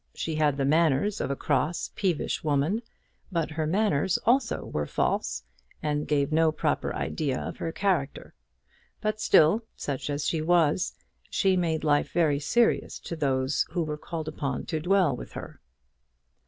She had the manners of a cross, peevish woman; but her manners also were false, and gave no proper idea of her character. But still, such as she was, she made life very serious to those who were called upon to dwell with her.